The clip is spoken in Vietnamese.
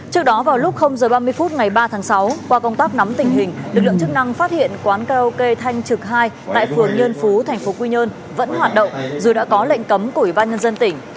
trước đó vào lúc h ba mươi phút ngày ba tháng sáu qua công tác nắm tình hình lực lượng chức năng phát hiện quán karaoke thanh trực hai tại phường nhơn phú tp quy nhơn vẫn hoạt động dù đã có lệnh cấm của ủy ban nhân dân tỉnh